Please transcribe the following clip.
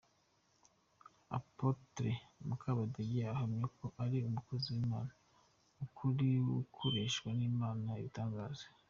Apotre Mukabadege ahamya ko ari umukozi w'Imana w'ukuri ukoreshwa n'Imana ibitangaza.